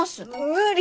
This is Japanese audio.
無理！